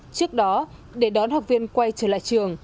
trước đó để đón học viên quay trở lại trường